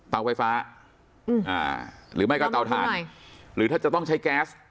เตาไฟฟ้าอืมอ่าหรือไม่ก็เตาทานหรือถ้าจะต้องใช้แก๊ส